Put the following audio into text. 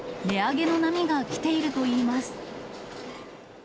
値上げの波がきているといいます。